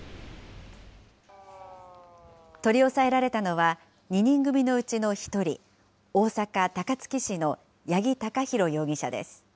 取り押さえられたのは、２人組のうちの１人、大阪・高槻市の八木貴寛容疑者です。